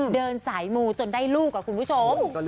เดินสายมูจนได้ลูกคุณผู้ชม